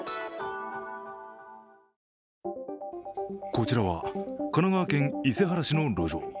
こちらは神奈川県伊勢原市の路上。